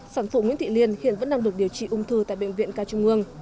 sản phụ nguyễn thị liên hiện vẫn đang được điều trị ung thư tại bệnh viện ca trung ương